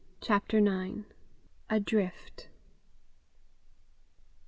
CHAPTER IX. ADRIFT.